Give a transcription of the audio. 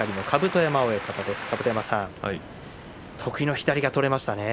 甲山さん、得意の左が取れました。